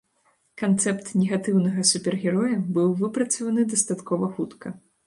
Канцэпт негатыўнага супергероя быў выпрацаваны дастаткова хутка.